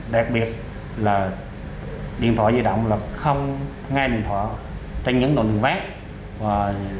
đặc biệt là điện thoại di động là không nghe điện thoại trên những nội lực vác